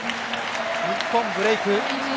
日本、ブレーク。